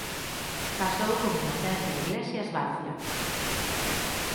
Casou con Inocencia Iglesias Barcia.